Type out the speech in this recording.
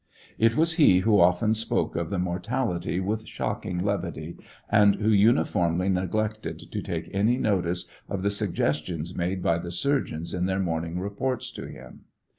It was be who often spoke of the mortality with shocking levity, and who uniformly neglected to take any notice of the suggestions made by the surgeons in their morning reports to him.